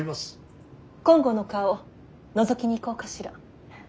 金剛の顔のぞきに行こうかしら。